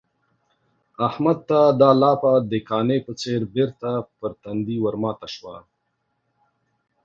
احمد ته دا لاپه د کاني په څېر بېرته پر تندي ورماته شوه.